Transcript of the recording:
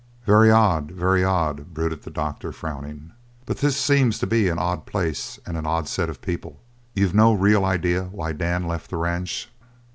"Very odd, very odd," brooded the doctor, frowning, "but this seems to be an odd place and an odd set of people. You've no real idea why Dan left the ranch?"